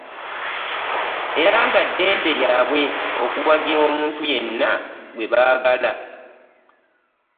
Era nga ddembe lyabwe okuwagira omuntu yenna gwe baagala